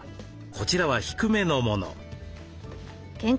こちらは低めのもの。